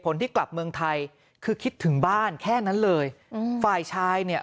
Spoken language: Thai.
ที่กลับเมืองไทยคือคิดถึงบ้านแค่นั้นเลยอืมฝ่ายชายเนี่ย